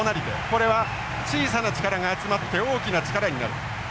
これは小さな力が集まって大きな力になる。